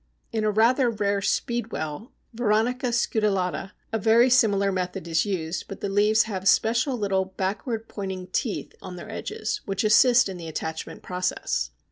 In a rather rare Speedwell (Veronica scutellata) a very similar method is used, but the leaves have special little backward pointing teeth on their edges which assist in the attachment process.